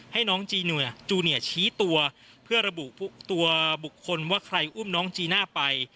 ให้น้องจีนจูเนียชี้ตัวเพื่อระบุตัวบุคคลว่าใครอุ้มน้องจีน่าไป